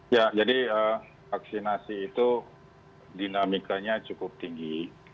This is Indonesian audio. ya jadi vaksinasi itu dinamikanya cukup tinggi